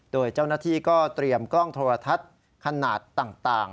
โดยเจ้าหน้าที่ก็เตรียมกล้องโทรทัศน์ขนาดต่าง